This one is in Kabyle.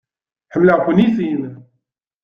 Ḥemmleɣ-ken i sin.